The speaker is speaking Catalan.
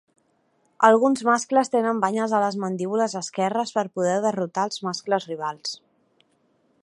Alguns mascles tenen banyes a les mandíbules esquerres per poder derrotar els mascles rivals.